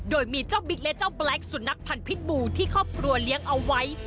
โดยมีเจ้าบิ๊กและเจ้าแล็คสุนัขพันธ์พิษบูที่ครอบครัวเลี้ยงเอาไว้